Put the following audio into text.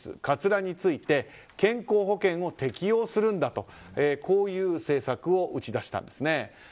かつらについて健康保険を適用するんだという政策を打ち出したんです。